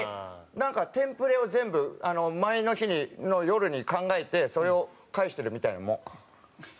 なんかテンプレを全部前の日の夜に考えてそれを返してるみたいなもん。